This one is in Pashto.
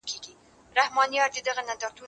دا بازار له هغه ښه دی،